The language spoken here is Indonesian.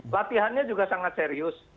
latihannya juga sangat serius